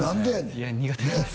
いや苦手です